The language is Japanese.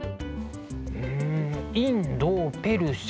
うんインドペルシャ